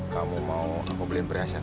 kamu mau aku beliin perhiasan